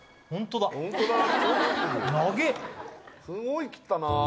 すごい切ったな。